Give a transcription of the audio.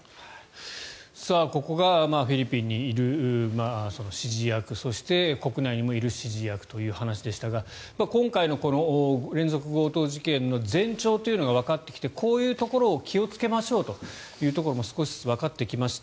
ここがフィリピンにいる指示役そして国内にもいる指示役という話でしたが今回のこの連続強盗事件の前兆というのがわかってきてこういうところを気をつけましょうというところも少しずつわかってきました。